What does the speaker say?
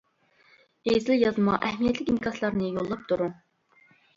ئېسىل يازما، ئەھمىيەتلىك ئىنكاسلارنى يوللاپ تۇرۇڭ!